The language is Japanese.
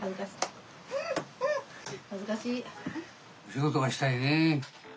仕事がしたいね。